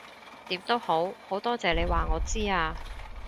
點都好，好多謝你話我知啊